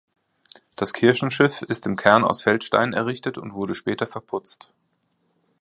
Das Kirchenschiff ist im Kern aus Feldsteinen errichtet und wurde später verputzt.